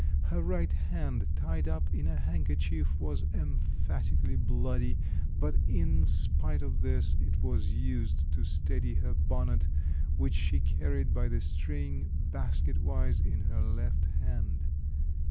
Her right hand, tied up in a handkerchief, was emphatically bloody, but in spite of this, it was used to steady her bonnet, which she carried by the string, basket wise, in her left hand.